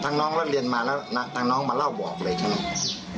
ทางน้องเรียนมาแล้วทางน้องมาแล้วบอกเลยใช่ไหม